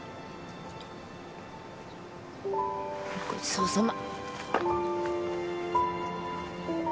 ごちそうさま。